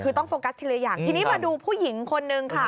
คือต้องโฟกัสทีละอย่างทีนี้มาดูผู้หญิงคนนึงค่ะ